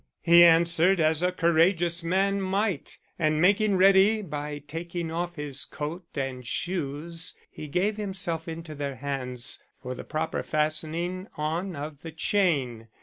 He answered as a courageous man might, and making ready by taking off his coat and shoes he gave himself into their hands for the proper fastening on of the chain.